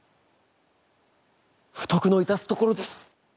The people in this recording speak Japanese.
不徳の致すところです。